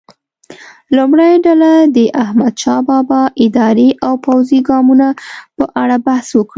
لومړۍ ډله دې د احمدشاه بابا اداري او پوځي ګامونو په اړه بحث وکړي.